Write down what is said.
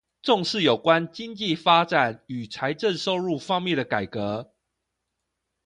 重視有關經濟發展與財政收入方面的改革